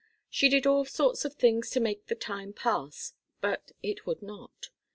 She did all sorts of things to make the time pass, but it would not.